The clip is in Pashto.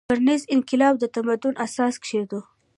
کرنیز انقلاب د تمدن اساس کېښود.